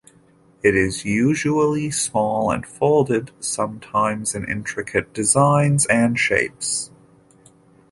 It is usually small and folded, sometimes in intricate designs and shapes.